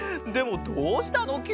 でもどうしたの？